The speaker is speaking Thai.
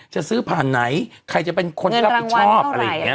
จะซื้อผ่านไหนใครจะเป็นคนรับผิดชอบ